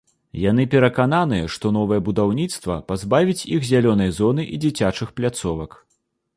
Яны перакананыя, што новае будаўніцтва пазбавіць іх зялёнай зоны і дзіцячых пляцовак.